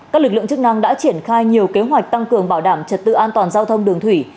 các lực lượng chức năng đã triển khai nhiều kế hoạch tăng cường bảo đảm trật tự an toàn giao thông đường thủy